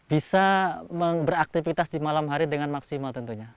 bisa beraktivitas di malam hari dengan maksimal tentunya